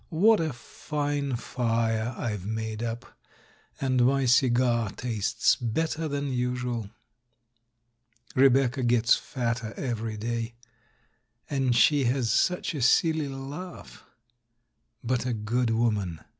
What a fine fire I've made up; and my cigar tastes better than usual !... Rebecca gets fatter every day. And she has such a silly laugh. But a good woman!